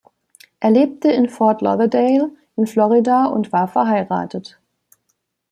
Er lebte in Fort Lauderdale in Florida und war verheiratet.